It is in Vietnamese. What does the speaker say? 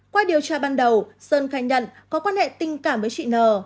qua điều tra ban đầu sơn khai nhận có quan hệ tình cảm với chị nờ